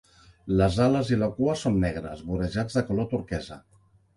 Les ales i la cua són negres, vorejats de color turquesa.